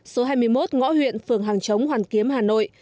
số hai mươi một ngõ huyện phường hàng chống hoàn kiếm hà nội